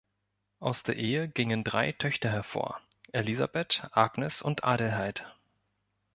Aus der Ehe gingen drei Töchter hervor, Elisabeth, Agnes und Adelheid.